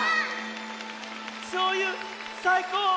しょうゆさいこう！